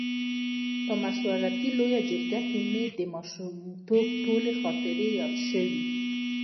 په مشورتي لویه جرګه کې مې د ماشومتوب ټولې خاطرې یادې شوې.